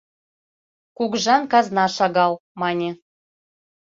«Кугыжан казна шагал», — мане.